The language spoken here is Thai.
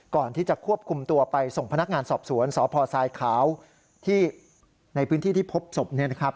ก่อนที่จะควบคุมตัวไปส่งพนักงานสอบสวนสพทรายขาวที่ในพื้นที่ที่พบศพ